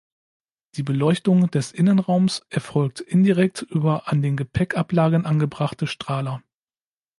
Die Beleuchtung des Innenraums erfolgt indirekt über an den Gepäckablagen angebrachte Strahler.